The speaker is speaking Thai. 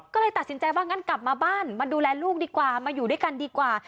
ก็เลยตัดสินใจว่างั้นกลับมาบ้านมาดูแลลูกดีกว่ามาอยู่ด้วยกันดีกว่า